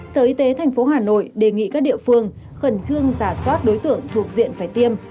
sở y tế tp hà nội đề nghị các địa phương khẩn trương giả soát đối tượng thuộc diện phải tiêm